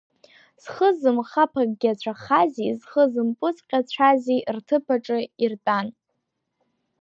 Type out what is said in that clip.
Зхы зымхаԥагьацәахази, зхы зымпыҵҟьацәази рҭыԥ аҿы иртәан.